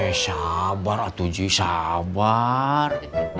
eh sabar atau ji sabar